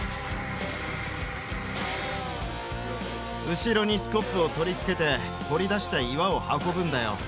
後ろにスコップを取り付けて掘り出した岩を運ぶんだよ。